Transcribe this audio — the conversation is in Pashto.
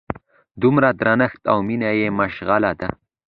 دومره درنښت او مینه یې مشغله ده.